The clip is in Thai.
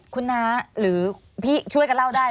คุณน้าหรือพี่ช่วยกันเล่าได้